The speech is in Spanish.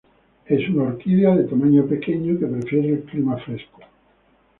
Es una orquídea de tamaño pequeño que prefiere el clima fresco.